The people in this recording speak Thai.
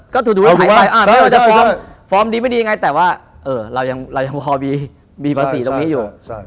ก็ถูกหายไปไม่ว่าจะฟอร์มดีไม่ดียังไงแต่ว่าเรายังพอมีภาษีตรงนี้อยู่